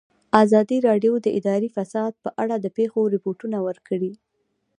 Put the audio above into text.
ازادي راډیو د اداري فساد په اړه د پېښو رپوټونه ورکړي.